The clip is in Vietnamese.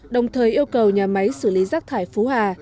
đồng thời yêu cầu nhà máy xử lý rác thải phú hà